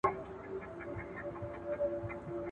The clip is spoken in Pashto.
هغه څوک چي ليکنې کوي پوهه زياتوي؟!